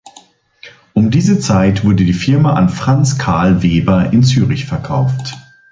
Um diese Zeit wurde die Firma an Franz Carl Weber in Zürich verkauft.